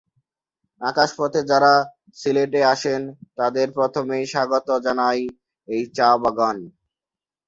আকাশপথে যারা সিলেটে আসেন তাদের প্রথমেই স্বাগত জানায় এই চা-বাগান।